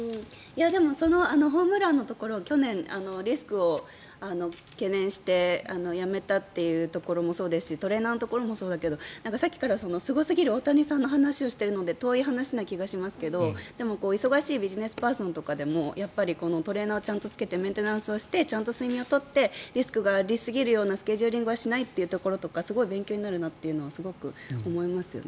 でもホームランのところ去年、リスクを懸念してやめたというところもそうですしトレーナーのところもそうだけどさっきからすごすぎる大谷さんの話をしているので遠い話な気がしますけど忙しいビジネスパーソンとかでもやっぱりトレーナーをちゃんとつけてメンテナンスをしてちゃんと睡眠を取ってリスクがありすぎるようなスケジューリングはしないというところとかすごい勉強になるなと思いますね。